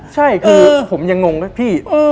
ใช่คือผมยังงงนะพี่